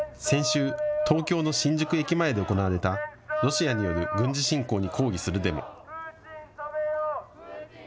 先週、東京の新宿駅前で行われたロシアによる軍事侵攻に抗議するデモ。